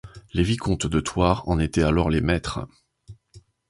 Les vicomtes de Thouars en étaient alors les maîtres.